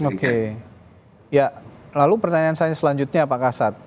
oke ya lalu pertanyaan saya selanjutnya pak kasat